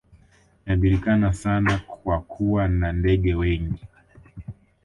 Inajulikana sana kwa kuwa na ndege wengi